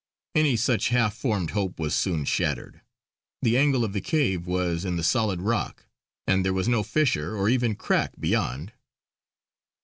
Any such half formed hope was soon shattered; the angle of the cave was in the solid rock, and there was no fissure or even crack beyond.